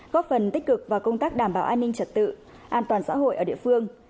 góp phần tích cực vào công tác đảm bảo an ninh trật tự an toàn xã hội ở địa phương